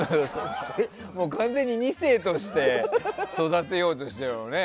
完全に２世として育てようとしてるもんね。